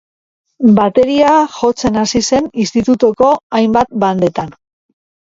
Bateria jotzen hasi zen institutuko hainbat bandetan.